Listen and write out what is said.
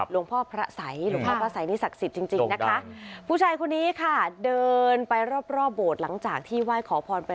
ลงพลักษณะไอร์จะเดินไปรอบโบรทหลังจากที่ว่าไ้ขอพรไป